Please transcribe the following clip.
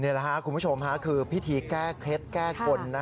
นี่แหละคุณผู้ชมค่ะคือพิธีแก้เคล็ดแก้กล